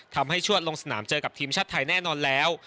ชวดลงสนามเจอกับทีมชาติไทยแน่นอนแล้ว